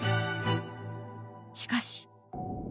しかし。